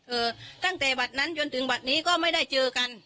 เอ่อตั้งแต่บัตรนั้นจนถึงบัตรนี้ก็ไม่ได้เจอกัน